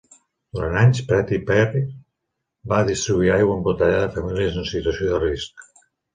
Durant anys, Pretty Prairie va distribuir aigua embotellada a famílies en situació de risc.